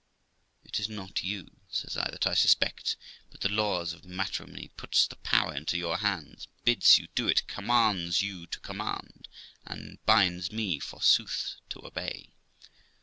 It is not you', Says I, 'that I suspect, but the laws of matrimony puts the power into your hands, bids you do it, commands you to command, and binds me, forsooth, to obey.